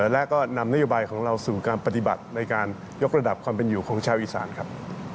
และก็นำนโยบายของเราสู่การปฏิบัติในการยกระดับความเป็นอยู่ของชาวอีสานครับ